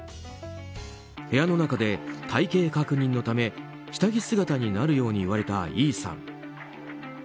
部屋の中で体形確認のため下着姿になるように言われたＥさん。